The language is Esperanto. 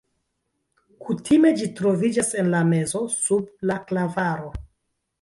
Kutime ĝi troviĝas en la mezo sub la klavaro.